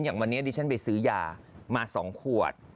อย่างวันนี้ดิฉันไปซื้อยามา๒ขวด